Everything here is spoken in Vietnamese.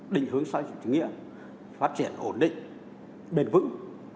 định hướng xã hội chủ nghĩa phát triển ổn định bền vững